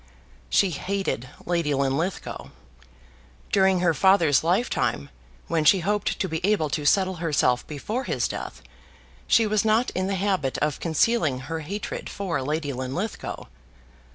She hated Lady Linlithgow. During her father's lifetime, when she hoped to be able to settle herself before his death, she was not in the habit of concealing her hatred for Lady Linlithgow.